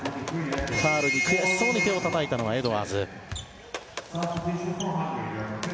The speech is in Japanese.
ファウルに悔しそうに手をたたいたのはエドワーズ。